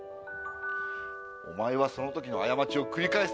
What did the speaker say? お前はその時の過ちを繰り返すつもりか！